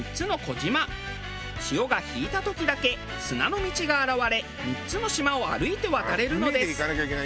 潮が引いた時だけ砂の道が現れ３つの島を歩いて渡れるのです。